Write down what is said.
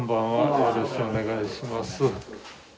よろしくお願いします。